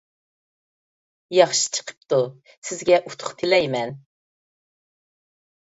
ياخشى چىقىپتۇ، سىزگە ئۇتۇق تىلەيمەن.